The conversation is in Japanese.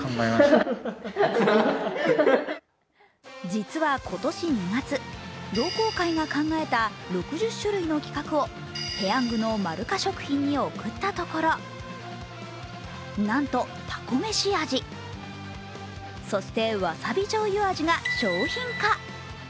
実は今年２月、同好会が考えた６０種類の企画をペヤングのまるか食品に送ったところ、なんと、たこ飯味、そしてわさび醤油味が商品化。